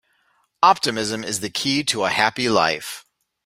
Optimism is the key to a happy life.